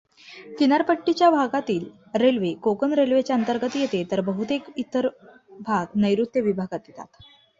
किनारपट्टीच्या भागातील रेल्वे कोकण रेल्वेच्या अंतर्गत येते तर बहुतेक इतर भाग नैरुत्य विभागात येतात.